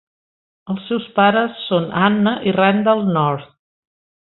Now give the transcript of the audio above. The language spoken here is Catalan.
Els seus pares són Anna i Randall North.